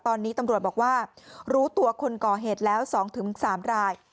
ตอนนี้ตำรวจบอกว่ารู้ตัวคนก่อเหตุแล้ว๒๓ราย